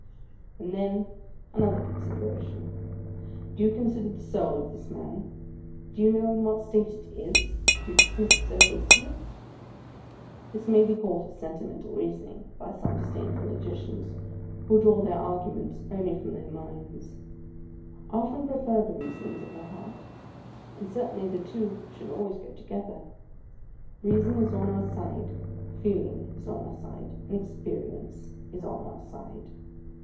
And then another consideration. Do you consider the soul of this man? Do you know in what state it is, that you dis miss it so hastily? This may be called " sentimental reasoning," by some dis dainful logicians, who draw their arguments only from their minds. I often prefer the reasonings of the heart; and cer tainly the two should always go together. Reason is on our side, feeling is on our side, and experience is on our side.